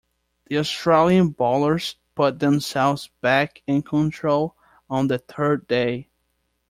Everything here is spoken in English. The Australian bowlers put themselves back in control on the third day.